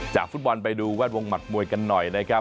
ฟุตบอลไปดูแวดวงหมัดมวยกันหน่อยนะครับ